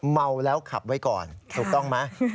เมาแล้วขับไว้ก่อนถูกต้องไหม